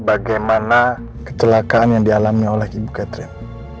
bagaimana kecelakaan yang dialami oleh ibu catherine